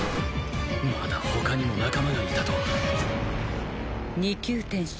まだ他にも仲間がいたとは２級天使